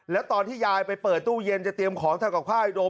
แล้วตอนที่ยายไปเปิดตู้เย็นจะเตรียมของทำกับข้าวให้ดม